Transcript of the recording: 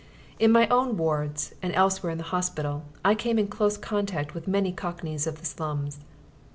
In my own wards, and elsewhere in the hospital, I came in close contact with many cockneys of the slums.